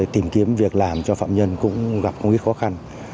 tìm kiếm việc làm cho phạm nhân cũng gặp rất nhiều khó khăn